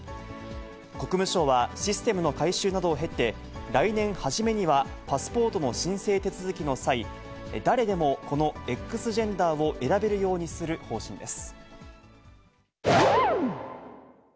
国務省は、システムの改修などを経て、来年初めにはパスポートの申請手続きの際、誰でもこのＸジェンダーを選べるようにする方針です。